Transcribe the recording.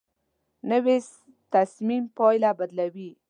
نوې تصمیم پایله بدلوي